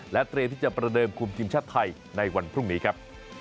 เตรียมที่จะประเดิมคุมทีมชาติไทยในวันพรุ่งนี้ครับ